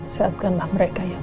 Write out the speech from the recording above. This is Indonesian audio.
sehatkanlah mereka ya allah